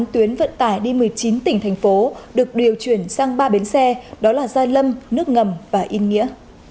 một mươi tuyến vận tải đi một mươi chín tỉnh thành phố được điều chuyển sang ba bến xe đó là gia lâm nước ngầm và yên nghĩa